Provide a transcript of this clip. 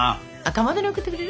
かまどに贈ってくれる？